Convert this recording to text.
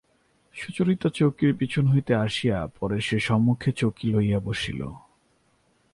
সুচরিতা চৌকির পিছন হইতে আসিয়া পরেশের সম্মুখে চৌকি লইয়া বসিল।